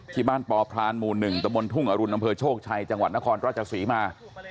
ที่บ้านปพรานหมู่๑ตะบนทุ่งอรุณอำเภอโชคชัยจังหวัดนครราชศรีมา